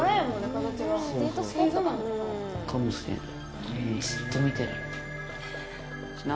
形が。かもしれない。